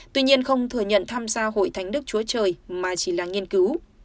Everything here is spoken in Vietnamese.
tuy nhiên không thừa nhận tham gia hội thánh đức chúa trời mà chỉ là nghiên cứu